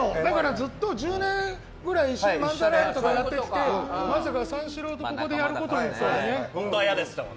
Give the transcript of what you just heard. ずっと１０年ぐらい一緒に漫才ライブやってまさか三四郎とここでやることになるとは。